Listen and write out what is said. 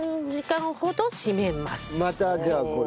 またじゃあこれ。